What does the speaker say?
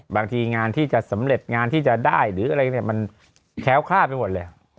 บางทีงานที่จะสำเร็จงานที่จะได้อีกนึกเลยมันแค้วคาดไปหมดเลย